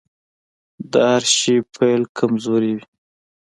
د هر شي پيل کمزوری وي .